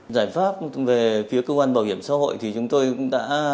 giải pháp về phía cơ quan bảo hiểm xã hội thì chúng tôi cũng đã